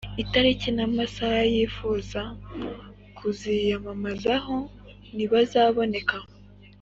itariki n amasaha yifuza kuziyamamazaho nibazaboneka